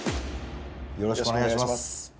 よろしくお願いします。